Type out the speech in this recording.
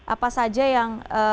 apa saja yang